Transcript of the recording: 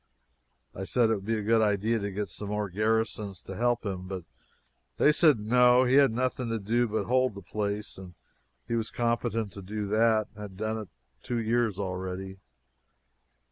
I said it would be a good idea to get some more garrisons to help him; but they said no, he had nothing to do but hold the place, and he was competent to do that, had done it two years already.